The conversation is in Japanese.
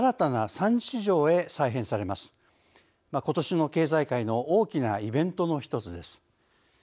ことしの経済界の大きなイベントの１つです。